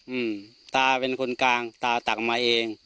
อืมตาเป็นคนกลางตาตักออกมาเอง